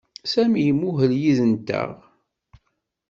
Sami imuhel yid-nteɣ.